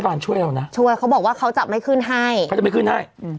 การช่วยเรานะช่วยเขาบอกว่าเขาจะไม่ขึ้นให้เขาจะไม่ขึ้นให้อืม